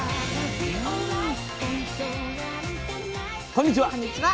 こんにちは。